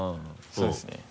そうですね。